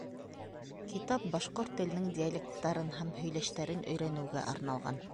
Китап башҡорт теленең диалекттарын һәм һөйләштәрен өйрәнеүгә арналған.